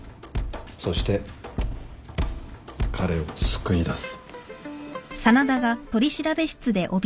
そして彼を救い出す。